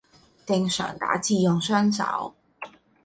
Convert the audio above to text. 正常打字用雙手